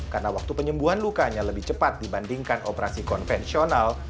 karena waktu penyembuhan lukanya lebih cepat dibandingkan operasi konvensional